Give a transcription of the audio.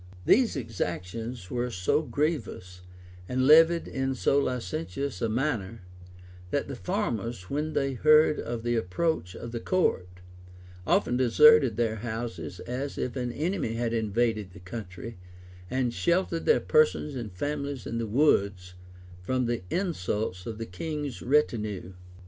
These exactions were so grievous, and levied in so licentious a manner, that the farmers, when they heard of the approach of the court, often deserted their houses, as if an enemy had invaded the country;[*] and sheltered their persons and families in the woods, from the insults of the king's retinue.